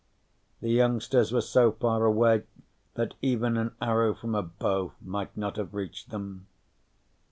The youngsters were so far away that even an arrow from a bow might not have reached them.